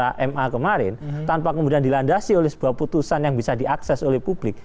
karena ma kemarin tanpa kemudian dilandasi oleh sebuah putusan yang bisa diakses oleh publik